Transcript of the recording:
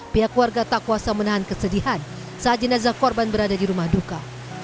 pihak warga tak kuasa menahan kesedihan saat jenazah korban berada di rumah duka